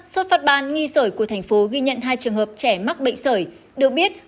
xuất phát ban nghi sởi của thành phố ghi nhận hai trường hợp trẻ mắc bệnh sởi được biết